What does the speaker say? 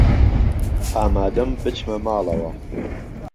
ئامادەم بچمە ماڵەوە.